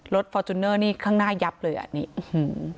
รถฟอร์จุนเนอร์นี่ข้างหน้ายับเลยอ่ะนี่อืม